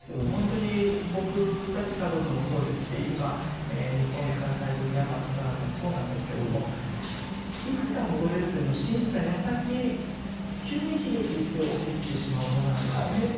本当に、僕たち家族もそうですし、今、日本に暮らされているミャンマーの方々もそうなんですけど、いつか戻れるというのを信じたやさき、急に悲劇って起きてしまうものなんですね。